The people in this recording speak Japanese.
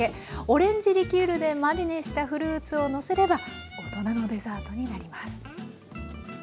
オレンジリキュールでマリネしたフルーツをのせれば大人のデザートになります。